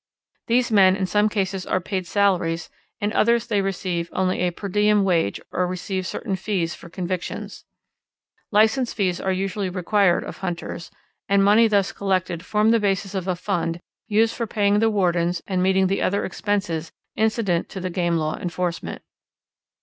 These men in some cases are paid salaries, in others they receive only a per diem wage or receive certain fees for convictions. License fees are usually required of hunters, and the moneys thus collected form the basis of a fund used for paying the wardens and meeting the other expenses incident to the game law enforcement.